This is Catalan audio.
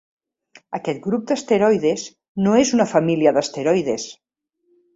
Aquest grup d'asteroides no és una família d'asteroides.